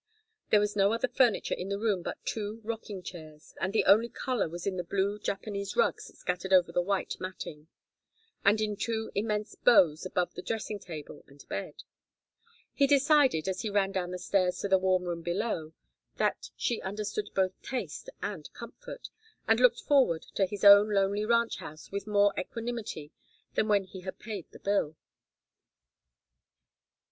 There was no other furniture in the room but two rocking chairs, and the only color was in the blue Japanese rugs scattered over the white matting, and in two immense bows above the dressing table and bed. He decided, as he ran down the stairs to the warm room below, that she understood both taste and comfort, and looked forward to his own lonely ranch house with more equanimity than when he had paid the bill.